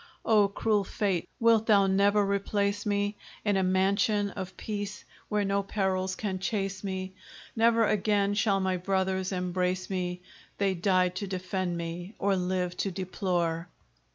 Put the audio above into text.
O cruel fate! wilt thou never replace me In a mansion of peace, where no perils can chase me? Never again shall my brothers embrace me? They died to defend me, or live to deplore!